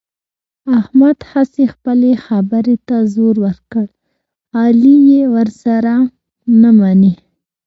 احمد هسې خپلې خبرې ته زور ور کړ، علي یې ورسره نه مني.